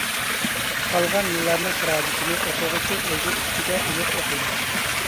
قالغان يىللارنىڭ خىراجىتىنى ئوقۇغۇچى ئۆزى ئۈستىگە ئېلىپ ئوقۇيدۇ.